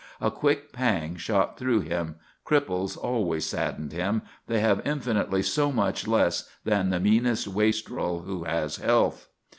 A quick pang shot through him; cripples always saddened him. They have infinitely so much less than the meanest wastrel who has health.